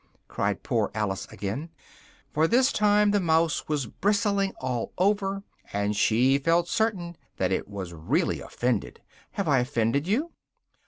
cried poor Alice again, for this time the mouse was bristling all over, and she felt certain that it was really offended, "have I offended you?"